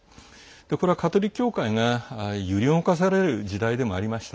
これは、カトリック教会が揺り動かされる時代でもありました。